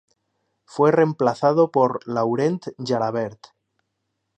Fue reemplazado por Laurent Jalabert.